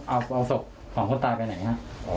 แล้วเอาสกของคนตายไปไหนครับ